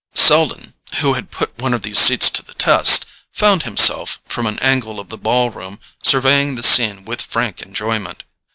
Selden, who had put one of these seats to the test, found himself, from an angle of the ball room, surveying the scene with frank enjoyment.